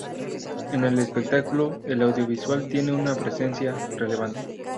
En el espectáculo el audiovisual tiene una presencia relevante.